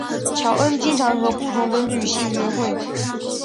乔恩经常和不同的女性约会。